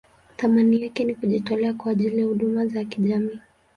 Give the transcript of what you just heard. Thamani yake ni kujitolea kwa ajili ya huduma za kijamii.